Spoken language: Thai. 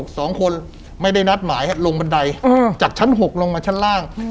สองคนไม่ได้นัดหมายลงบันไดอืมจากชั้นหกลงมาชั้นล่าง